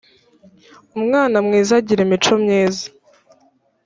umwana mwiza ajyirimico myiza.